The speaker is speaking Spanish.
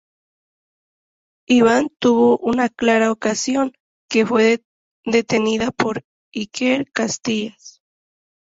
Ivan tuvo una clara ocasión, que fue detenida por Iker Casillas.